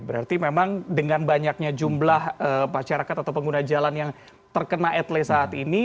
berarti memang dengan banyaknya jumlah masyarakat atau pengguna jalan yang terkena atles saat ini